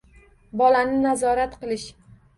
Bolani nazorat qilish